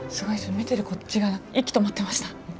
見てるこっちが息止まってました。